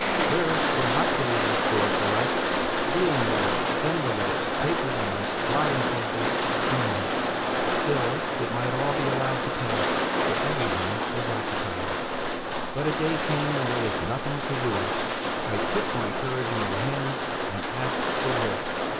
There were hot days in store for us. Sealing wax, envelopes, paper knives, blotting paper, string. Still, it might all be allowed to pass, for every one was occupied. But a day came when there was nothing to do. I took my courage in my hands and asked for work.